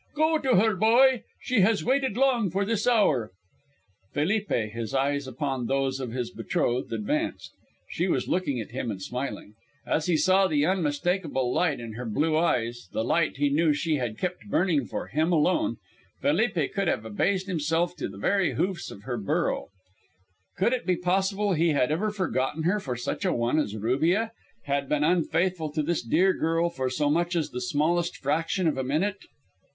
Go to her, boy. She has waited long for this hour." Felipe, his eyes upon those of his betrothed, advanced. She was looking at him and smiling. As he saw the unmistakable light in her blue eyes, the light he knew she had kept burning for him alone, Felipe could have abased himself to the very hoofs of her burro. Could it be possible he had ever forgotten her for such a one as Rubia have been unfaithful to this dear girl for so much as the smallest fraction of a minute?